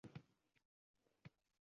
Bog'chaga o'yinchoqlar sotib olindi